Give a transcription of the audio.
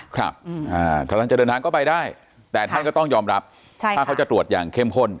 กำลังจะเดินทางก็ไปได้แต่ท่านก็ต้องยอมรับถ้าเขาจะตรวจอย่างเข้มข้น